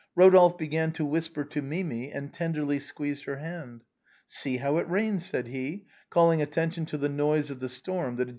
Eodolphe began to whisper to Mimi, and tenderly squeezed her hand. " See how it rains," said he, calling attention to the noise of the storm that had ju?